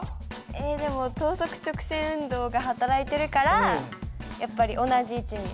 えでも等速直線運動が働いてるからやっぱり同じ位置に。